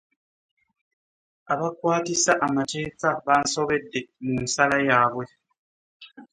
Abakwatisa emateeka bansobedde mu nsala yaabwe.